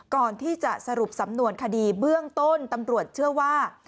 ก่อนที่จะสรุปสำนวนคดีเบื้องต้นตำรวจเชื่อว่า